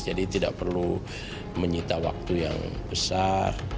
jadi tidak perlu menyita waktu yang besar